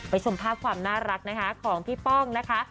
ชมภาพความน่ารักนะคะของพี่ป้องนะคะ